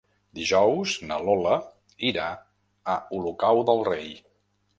Dijous na Lola irà a Olocau del Rei.